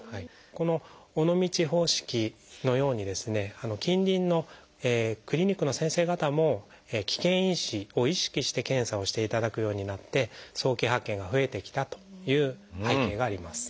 この尾道方式のように近隣のクリニックの先生方も危険因子を意識して検査をしていただくようになって早期発見が増えてきたという背景があります。